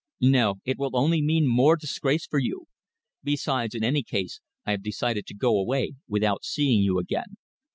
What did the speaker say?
"No! It will only mean more disgrace for you. Besides in any case, I have decided to go away without seeing you again."